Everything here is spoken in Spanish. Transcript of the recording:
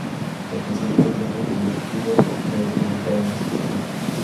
El Presidente, tiene el cometido de representar a la Institución.